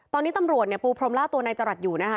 ตอนนี้ตำรวจเนี่ยปูพรมล่าตัวนายจรัสอยู่นะคะ